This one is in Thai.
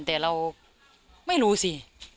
แต่เราไม่รู้สิ